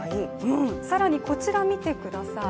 更にこちら、見てください。